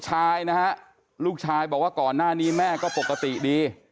แสดงให้ปวด